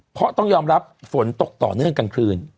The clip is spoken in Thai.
เพราะต้องยอมรับฝนตกต่อเนื่องกลางคืน